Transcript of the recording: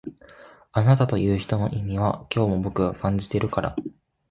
あなたという人の意味は今日も僕が感じてるから